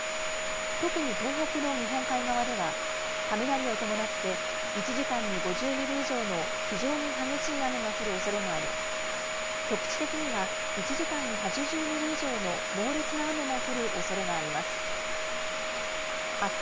特に東北の日本海側では、雷を伴って１時間に５０ミリ以上の非常に激しい雨が降るおそれがあり、局地的には、１時間に８０ミリ以上の猛烈な雨も降るおそれがあります。